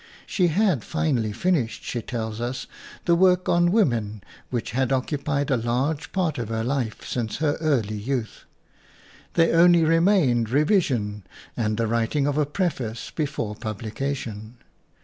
She had finally finished, she tells us, the work on women which had occupied a large part of her life since her early youth. There only remained revision and the writing of a preface before publication.